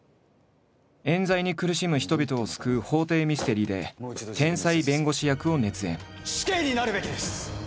冤罪に苦しむ人々を救う法廷ミステリーで死刑になるべきです！